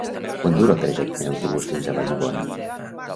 Quant dura el trajecte en autobús fins a Vallibona?